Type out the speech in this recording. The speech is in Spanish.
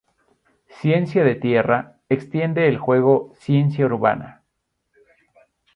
Ciencia de tierra extiende el juego Ciencia Urbana.